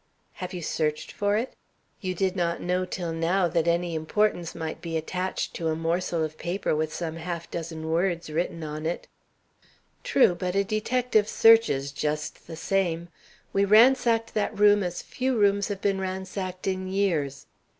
"Have you searched for it? You did not know till now that any importance might be attached to a morsel of paper with some half dozen words written on it." "True, but a detective searches just the same. We ransacked that room as few rooms have been ransacked in years.